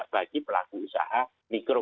bagi pelaku usaha mikro